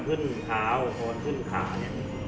มันประกอบกันแต่ว่าอย่างนี้แห่งที่